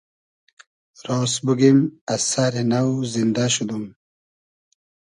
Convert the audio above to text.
راس بوگیم از سئری نۆ زیندۂ شودوم